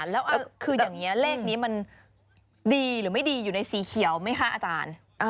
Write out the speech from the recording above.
แล้วคืออย่างนี้เลขนี้มันดีหรือไม่ดีอยู่ในสีเขียวไหมคะอาจารย์